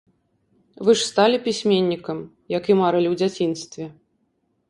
Вы ж сталі пісьменнікам, як і марылі ў дзяцінстве.